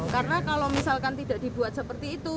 karena kalau misalkan tidak dibuat seperti itu